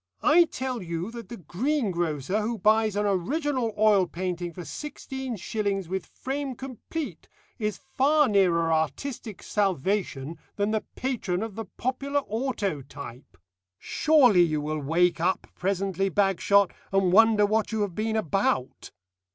I tell you that the greengrocer who buys an original oil painting for sixteen shillings with frame complete is far nearer artistic salvation than the patron of the popular autotype. Surely you will wake up presently, Bagshot, and wonder what you have been about.